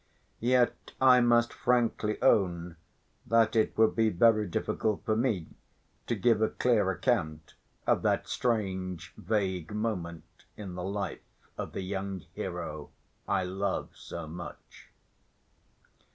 Yet I must frankly own that it would be very difficult for me to give a clear account of that strange, vague moment in the life of the young hero I love so much.